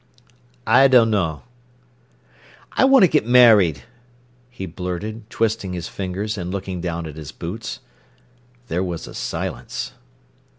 "I dunno. I want to get married," he blurted, twisting his fingers and looking down at his boots. There was a silence.